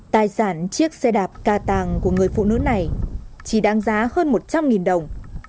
tài sản chiếc xe đạp ca tàng của người phụ nữ này chỉ đáng giá hơn một trăm linh đồng